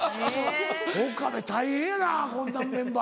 岡部大変やなこんなメンバー。